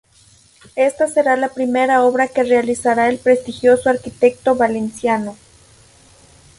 Ésta será la primera obra que realizará el prestigioso arquitecto valenciano.